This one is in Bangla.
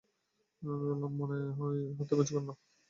আমি বললাম, মনে হয় হাতেমের কন্যা।